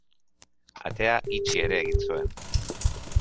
Atea itxi ere egin zuen.